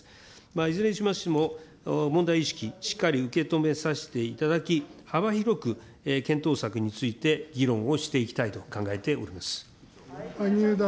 いずれにしましても、問題意識、しっかり受け止めさせていただき、幅広く検討策について議論をしていきたいと考えております。